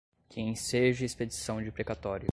que enseje expedição de precatório